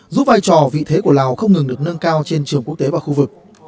giúp vai trò vị thế của lào không ngừng được nâng cao trên trường quốc tế và khu vực